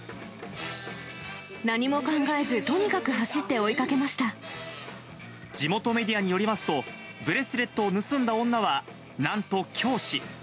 何も考えず、とにかく走って地元メディアによりますと、ブレスレットを盗んだ女は、なんと教師。